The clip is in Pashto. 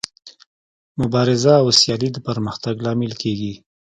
مبارزه او سیالي د پرمختګ لامل کیږي.